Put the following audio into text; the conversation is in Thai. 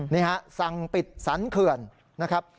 นี่ฮะสั่งปิดสรรเขื่อนนะครับ